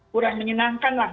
kurang menyenangkan lah